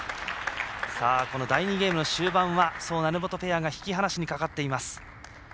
この第２ゲームの終盤は宋、成本ペアが引き離しにかかっています。